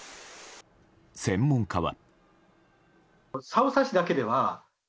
専門家は。